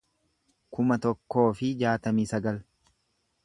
kuma tokkoo fi jaatamii sagal